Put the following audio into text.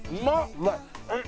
うまい。